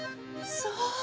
そう！